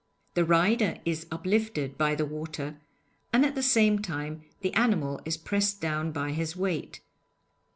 The rider is uplifted by the water, and at the same time the animal is pressed down by his weight.